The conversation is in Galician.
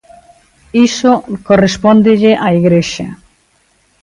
Iso correspóndelle á igrexa.